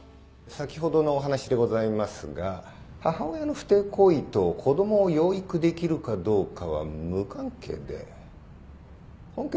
先ほどのお話でございますが母親の不貞行為と子供を養育できるかどうかは無関係で本件